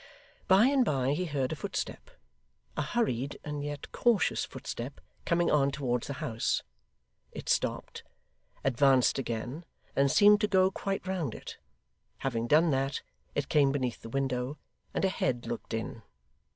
By and by he heard a footstep a hurried, and yet cautious footstep coming on towards the house. It stopped, advanced again, then seemed to go quite round it. Having done that, it came beneath the window, and a head looked in.